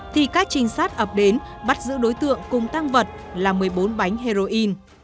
thì các trinh sát ập đến bắt giữ đối tượng cùng tăng vật là một mươi bốn bánh heroin